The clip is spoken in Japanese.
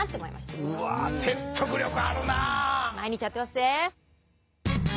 毎日やってまっせ。